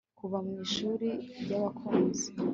Kuva mu Ishuri ryabakunzi